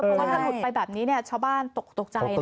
เพราะว่าถ้าถูกไปแบบนี้เนี่ยชาวบ้านตกใจนะ